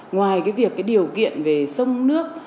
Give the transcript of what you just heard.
ngoài cái việc điều kiện về sông nước